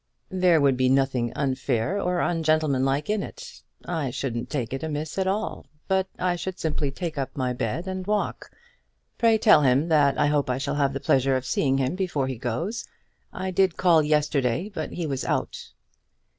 "There would be nothing unfair or ungentlemanlike in it. I shouldn't take it amiss at all; but I should simply take up my bed and walk. Pray tell him that I hope I shall have the pleasure of seeing him before he goes. I did call yesterday, but he was out."